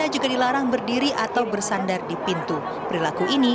jangan berdiri di kawasan hijau ini